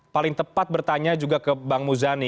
paling tepat bertanya juga ke bang muzani